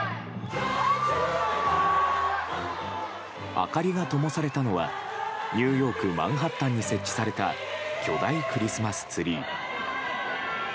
明かりがともされたのはニューヨーク・マンハッタンに設置された巨大クリスマスツリー。